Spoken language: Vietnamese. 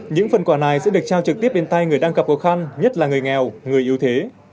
những phần quà này sẽ được trao trực tiếp đến tay người đang gặp khó khăn nhất là người nghèo người yếu thế